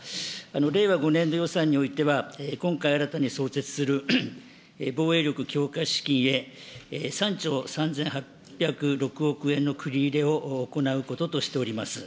令和５年度予算においては、今回新たに創設する防衛力強化資金へ３兆３８０６億円の繰り入れを行うこととしております。